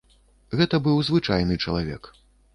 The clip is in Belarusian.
Гэта быў звычайны чалавек.